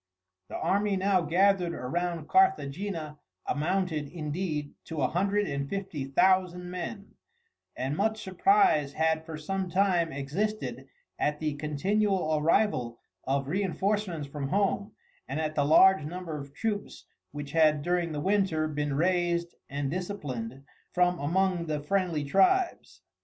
The army now gathered around Carthagena amounted, indeed, to a hundred and fifty thousand men, and much surprise had for some time existed at the continual arrival of reinforcements from home, and at the large number of troops which had during the winter been raised and disciplined from among the friendly tribes.